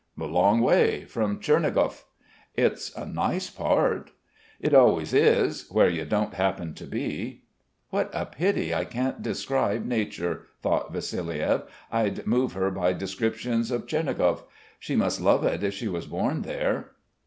A long way. From Tchernigov." "It's a nice part." "It always is, where you don't happen to be." "What a pity I can't describe nature," thought Vassiliev. "I'd move her by descriptions of Tchernigov. She must love it if she was born there."